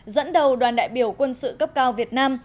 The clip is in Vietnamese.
dẫn đầu đoàn đại biểu quân sự cấp cao việt nam